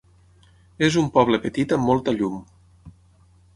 És un poble petit amb molta llum.